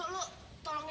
hai nah lu ya